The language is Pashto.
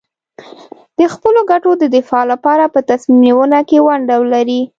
د خپلو ګټو د دفاع لپاره په تصمیم نیونه کې ونډه ولري.